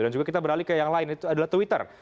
dan juga kita beralih ke yang lain itu adalah twitter